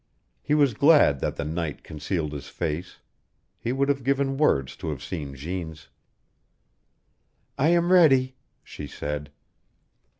He was glad that the night concealed his face. He would have given worlds to have seen Jeanne's. "I am ready," she said.